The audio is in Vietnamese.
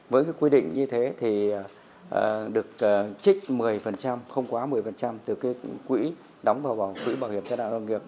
với cái quy định như thế thì được trích một mươi không quá một mươi từ cái quỹ đóng vào quỹ bảo hiểm tai nạn lao động bệnh ngành nghiệp